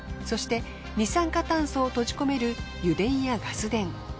そして二酸化炭素を閉じ込める油田やガス田。